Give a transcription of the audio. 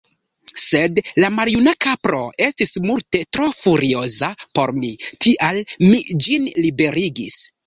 Sed la maljuna kapro estis multe tro furioza por mi, tial mi ĝin liberigis.